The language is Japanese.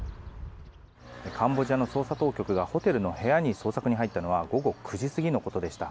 カンボジアの捜査当局がホテルの部屋に捜索に入ったのは午後９時過ぎのことでした。